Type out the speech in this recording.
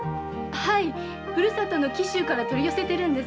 はい故郷の紀州から取り寄せているんです。